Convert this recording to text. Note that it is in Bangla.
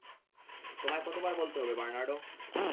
তোমায় কতবার বলতে হবে, বার্নার্ডো?